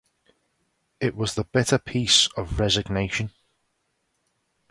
It was the bitter peace of resignation.